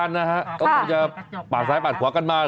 ๒คันนะครับแล้วพวกมันจะหลับซ้ายปัดขวากันมา